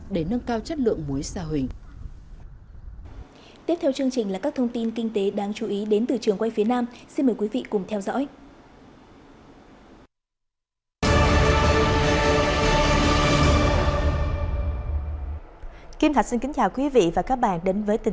để nâng cao chất lượng muối